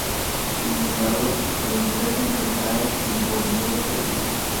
Sin embargo, los Wei contraatacaron y Goguryeo perdió.